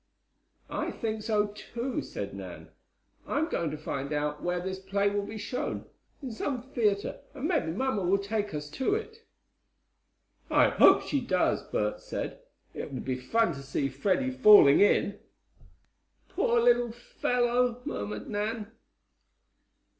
"I think so, too," said Nan. "I'm going to find out where this play will be shown, in some theatre, and maybe mamma will take us to it." "I hope she does," Bert said. "It will be fun to see Freddie falling in." "Poor little fellow!" murmured Nan.